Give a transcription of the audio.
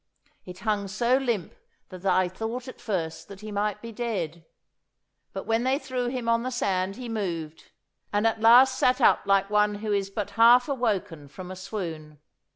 It hung so limp that I thought at first that he might be dead, but when they threw him on the sand he moved, and at last sat up like one who is but half awoken from a swoon.